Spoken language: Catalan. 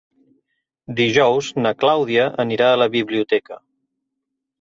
Dijous na Clàudia anirà a la biblioteca.